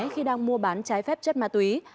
khi đang mua bán trái phép chất ma túy